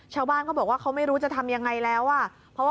ชาวบ้านเขาบอกไม่รู้จะทำยังไงแล้ว